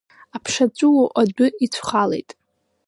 Аԥша ҵәыуо адәы ицәхалеит…